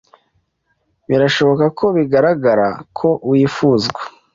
Birashoboka ko bigaragara ko wifuzwa